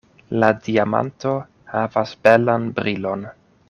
La diamanto havas belan brilon.